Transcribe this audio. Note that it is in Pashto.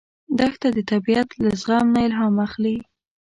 دښته د طبیعت له زغم نه الهام اخلي.